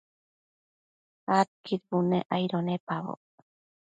Adquid bunec aido nepaboc